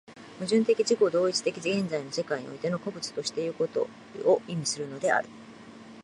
矛盾的自己同一的現在の世界においての個物としてということを意味するのである。